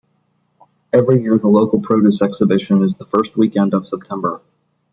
Every year, the local produce exhibition is the first weekend of September.